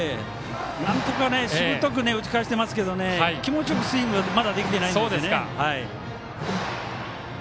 なんとかしぶとく打ち返していますが気持ちよくスイングできてないんです。